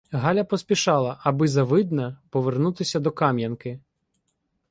Галя поспішала, аби завидна повернутися до Кам'янки.